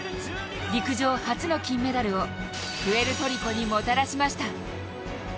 陸上初の金メダルをプエルトリコにもたらしました。